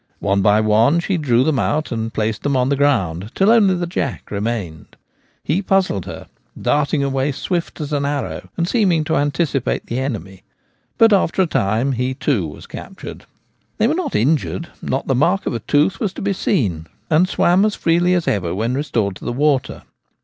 One by one she drew them out and placed them on the ground, till only the jack remained. He puzzled her, darting away swift as an arrow and seeming to anticipate the enemy. But after a time he, too, was captured. They were not injured — not the mark of a tooth was to be seen — and swam as freely as ever when re stored to the water.